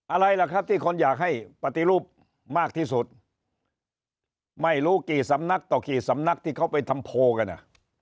อะไรล่ะครับที่คนอยากให้ปฏิรูปมากที่สุดไม่รู้กี่สำนักต่อกี่สำนักที่เขาไปทำโพลกันอ่ะ